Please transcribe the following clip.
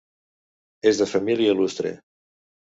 És de família il·lustre.